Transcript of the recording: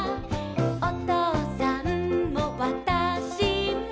「おとうさんもわたしも」